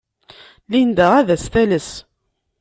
Linda ad as-tales.